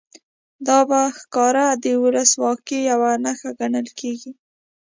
دا په ښکاره د ولسواکۍ یوه نښه ګڼل کېږي.